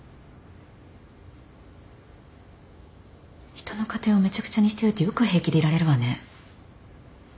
人の家庭をめちゃくちゃにしておいてよく平気でいられるわね。